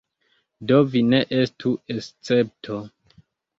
Do, vi ne estu escepto.